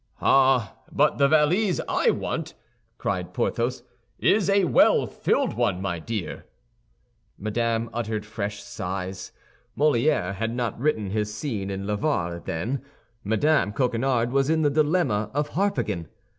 "Ah, but the valise I want," cried Porthos, "is a well filled one, my dear." Madame uttered fresh sighs. Molière had not written his scene in "L'Avare" then. Mme. Coquenard was in the dilemma of Harpagan.